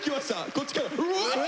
こっちから「うえ！」